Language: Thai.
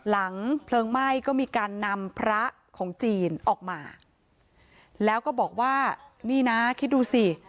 เพลิงไหม้ก็มีการนำพระของจีนออกมาแล้วก็บอกว่านี่นะคิดดูสิ